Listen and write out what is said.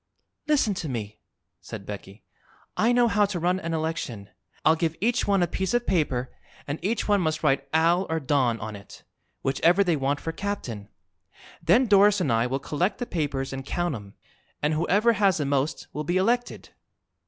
"Listen to me," said Becky. "I know how to run an election. I'll give each one a piece of paper, and each one must write 'Al' or 'Don' on it, whichever they want for captain. Then Doris and I will collect the papers and count 'em, and whoever has the most will be elected."